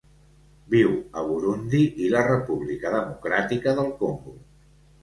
Viu a Burundi i la República Democràtica del Congo.